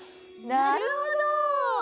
なるほど！